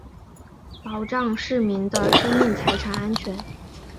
保障市民的生命财产安全